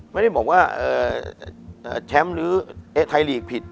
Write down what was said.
ไม่ได้บอกว่าแชมป์หรือไทยลีกผิด